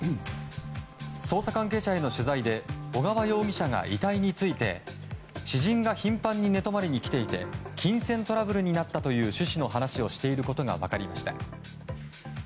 捜査関係者への取材で小川容疑者が遺体について知人が頻繁に寝泊まりに来ていて金銭トラブルになったという趣旨の話をしていることが分かりました。